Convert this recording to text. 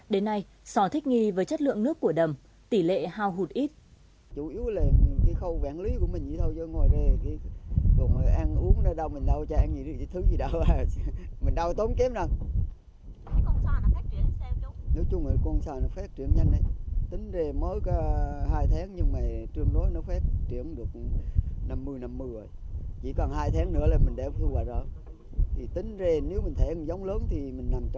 đến nay sò thích nghi với chất lượng nước của đầm tỷ lệ hao hụt ít